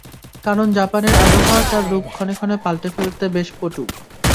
কারণ জাপানের আবহাওয়া তার রূপ ক্ষণে ক্ষণে পাল্টে ফেলতে বেশ পটু।